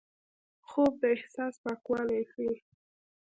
خوب د احساس پاکوالی ښيي